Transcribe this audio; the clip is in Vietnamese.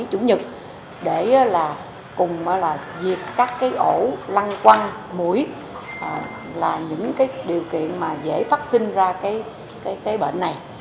chủ nhật để cùng diệt các ổ lăng quăng mũi là những điều kiện dễ phát sinh ra bệnh này